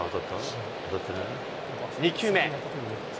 ２球目。